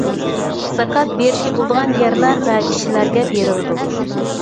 زاكات بېرىشكە بولىدىغان يەرلەر ۋە كىشىلەرگە بېرىلىدۇ.